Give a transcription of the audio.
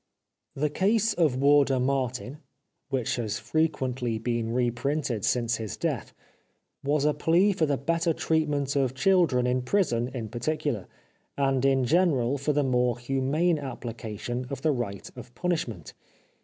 " The Case of Warder Martin," which has frequently been reprinted since his death, was a plea for the better treatment of children in prison in particular, and in general for the more humane application of the right of punishment.